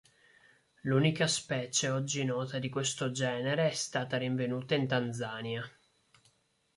L'unica specie oggi nota di questo genere è stata rinvenuta in Tanzania.